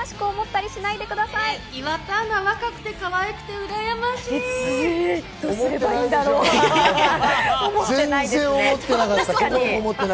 岩田アナ、若くてかわいくてうらやましい！